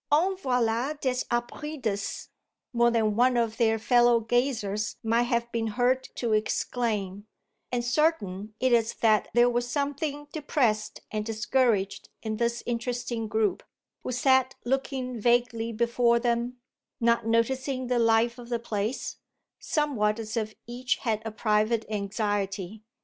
"En v'là des abrutis!" more than one of their fellow gazers might have been heard to exclaim; and certain it is that there was something depressed and discouraged in this interesting group, who sat looking vaguely before them, not noticing the life of the place, somewhat as if each had a private anxiety.